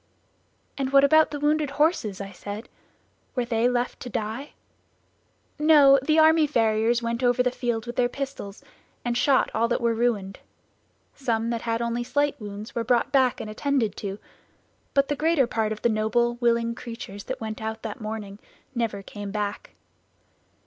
"And what about the wounded horses?" I said; "were they left to die?" "No, the army farriers went over the field with their pistols and shot all that were ruined; some that had only slight wounds were brought back and attended to, but the greater part of the noble, willing creatures that went out that morning never came back!